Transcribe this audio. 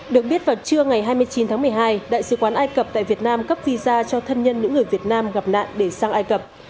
được biết vào trưa ngày hai mươi chín tháng một mươi hai đại sứ quán ai cập tại việt nam cấp visa cho thân nhân những người việt nam gặp nạn để sang ai cập